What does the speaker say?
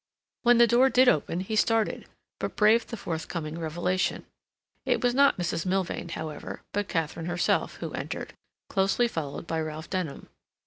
When the door did open, he started, but braved the forthcoming revelation. It was not Mrs. Milvain, however, but Katharine herself who entered, closely followed by Ralph Denham.